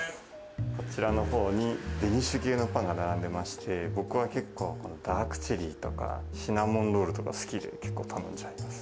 こちらの方にデニッシュ系のパンが並んでまして僕は結構このダークチェリーとかシナモンロールとか好きで結構頼んじゃいます